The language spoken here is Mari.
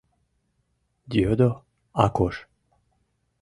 — йодо Акош.